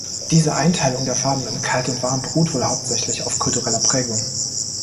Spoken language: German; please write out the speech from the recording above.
Diese Einteilung der Farben in kalt und warm beruht wohl hauptsächlich auf kultureller Prägung.